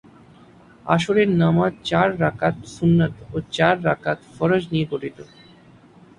আসরের নামাজ চার রাকাত সুন্নত ও চার রাকাত ফরজ নিয়ে গঠিত।